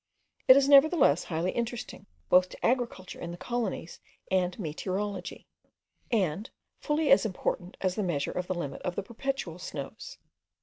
It is nevertheless highly interesting both to agriculture in the colonies and meteorology, and fully as important as the measure of the limit of the perpetual snows.